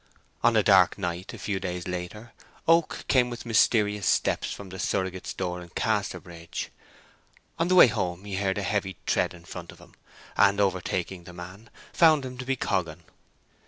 On a dark night, a few days later, Oak came with mysterious steps from the surrogate's door, in Casterbridge. On the way home he heard a heavy tread in front of him, and, overtaking the man, found him to be Coggan.